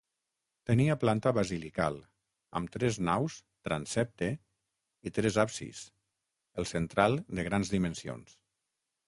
Tenia planta basilical, amb tres naus, transsepte i tres absis, el central de grans dimensions.